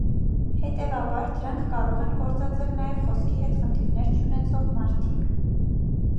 Հետևաբար, դրանք կարող են գործածել նաև խոսքի հետ խնդիրներ չունեցող մարդիկ։